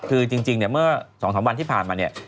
คือจริงเมื่อสองสามวันที่ผ่านมา